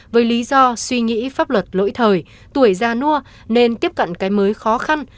với lý do suy nghĩ pháp luật lỗi thời tuổi già nua nên tiếp cận cái mới khó khăn